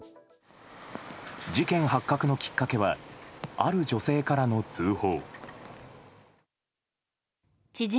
事件発覚のきっかけはある女性からの通報。